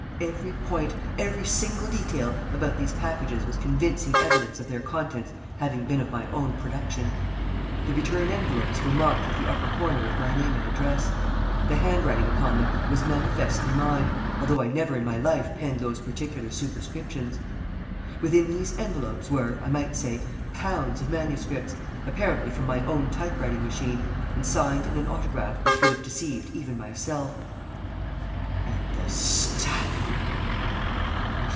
Every point, every single detail, about these packages was convincing evidence of their contents having been of my own production. The return envelopes were marked at the upper corner with my name and address. The handwriting upon them was manifestly mine, although I never in my life penned those particular superscriptions. Within these envelopes were, I might say, pounds of MSS., apparently from my own typewriting machine, and signed in an autograph which would have deceived even myself. And the stuff!